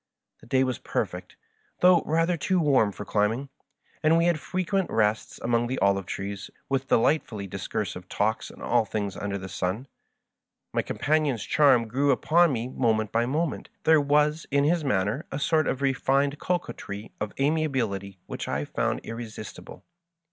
The day was perfect, though rather too warm for climbing, and we had frequent rests among the olive trees, with de lightfully discursive talks on all things under the sun. My companion's charm grew upon me moment by mo ment. There was in his manner a sort of refined co quetry of amiability which I found irresistible.